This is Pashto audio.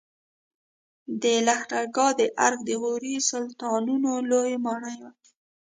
د لښکرګاه د ارک د غوري سلطانانو لوی ماڼۍ وه